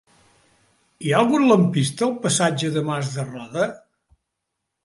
Hi ha algun lampista al passatge de Mas de Roda?